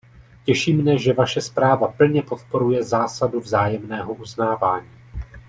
Těší mne, že vaše zpráva plně podporuje zásadu vzájemného uznávání.